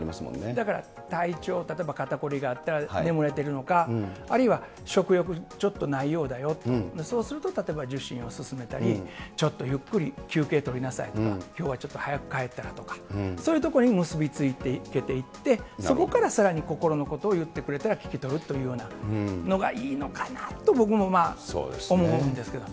だから体調、例えば肩凝りがあったら眠れてるのか、あるいは食欲ちょっとないようだよと、そうすると例えば、受診を勧めたり、ちょっとゆっくり休憩とりなさいとか、きょうはちょっと早く帰ったらとか、そういうところに結び付いていけていって、そこからさらに心のことを言ってくれたら聞き取るというようなのがいいのかなと、僕も思うんですけど。